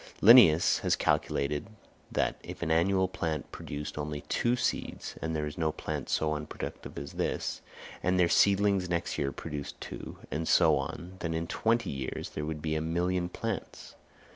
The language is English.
Linnæus has calculated that if an annual plant produced only two seeds—and there is no plant so unproductive as this—and their seedlings next year produced two, and so on, then in twenty years there would be a million plants.